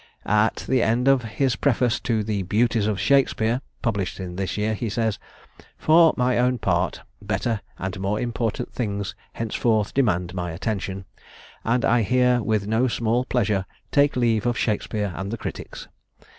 At the end of his preface to the "Beauties of Shakspeare," published in this year, he says, "For my own part, better and more important things henceforth demand my attention; and I here with no small pleasure take leave of Shakspeare and the critics.